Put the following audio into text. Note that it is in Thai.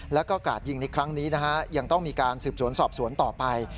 แล้วก็กาดยิงในครั้งนี้นะฮะยังต้องมีการสืบสวนสอบสวนต่อไป